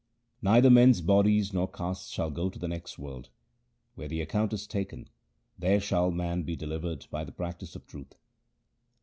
Neither men's bodies nor castes shall go to the next world. Where the account is taken, there shall man be delivered by the practice of truth.